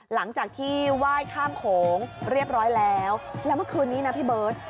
หลังจากที่ไหว้ข้ามโขงเรียบร้อยแล้วแล้วเมื่อคืนนี้นะพี่เบิร์ต